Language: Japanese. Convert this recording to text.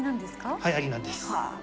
はやりなんです。